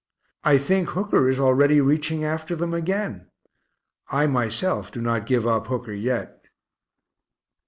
I think Hooker is already reaching after them again I myself do not give up Hooker yet.